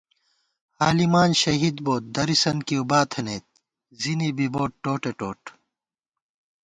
عالِمان شہید بوت، درِسنت کِیوبا تھنَئیت زِنی بِبوت ٹوٹےٹوٹ